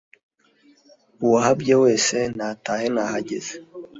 uwahabye wese natahe, nahageze